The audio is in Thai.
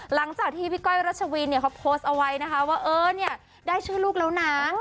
หลังจากที่พี่ก้อยรัชวินเนี่ยเขาโพสต์เอาไว้นะคะว่าเออเนี่ยได้ชื่อลูกแล้วนะ